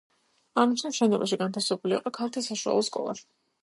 აღნიშნულ შენობაში განთავსებული იყო ქალთა საშუალო სკოლა.